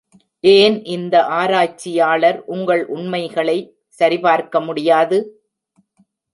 ஏன் இந்த ஆராய்ச்சியாளர் உங்கள் உண்மைகளை சரிபார்க்க முடியாது?